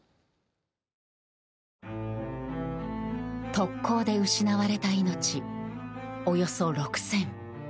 特攻で失われた命およそ６０００。